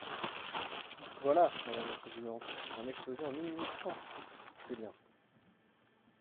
Voilà, madame la présidente, un exposé en une minute trente ! C’est bien.